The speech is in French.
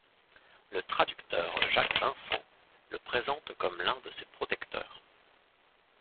Le traducteur Jacques Vincent le présente comme l'un de ses protecteurs.